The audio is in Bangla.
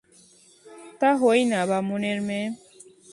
তা হই না বামুনের মেয়ে।